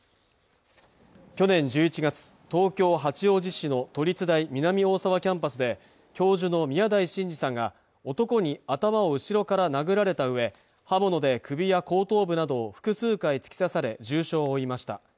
去年１１月東京八王子市の都立大南大沢キャンパスで教授の宮台真司さんが男に頭を後ろから殴られたうえ刃物で首や後頭部などを複数回突き刺され重傷を負いました